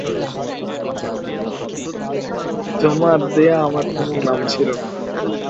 বিভিন্ন মাধ্যমে আসা নাম শিক্ষা মন্ত্রণালয় প্রস্তাব আকারে নথি তৈরি করে।